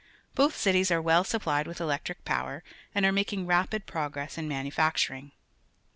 Both cities . are well supplied with electric power and are making ra pid progress in manufacturing.